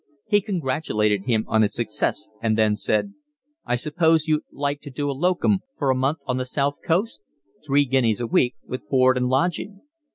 He congratulated him on his success, and then said: "I suppose you wouldn't like to do a locum for a month on the South coast? Three guineas a week with board and lodging."